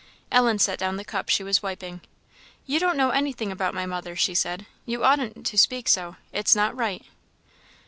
Ellen set down the cup she was wiping. "You don't know anything about my mother," she said. "You oughtn't to speak so it's not right."